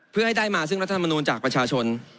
เพื่อให้ได้มาซึ่งรัฐธรรมนูลจากประชาชน